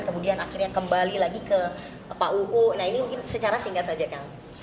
kemudian akhirnya kembali lagi ke pak uu nah ini mungkin secara singkat saja kang